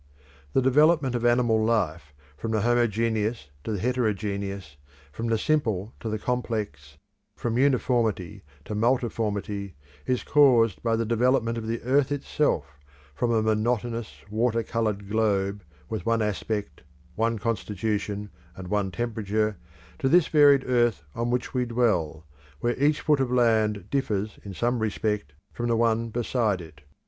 The development of animal life from the homogeneous to the heterogeneous, from the simple to the complex, from uniformity to multiformity, is caused by the development of the earth itself from a monotonous water covered globe with one aspect, one constitution, and one temperature to this varied earth on which we dwell, where each foot of land differs in some respect from the one beside it.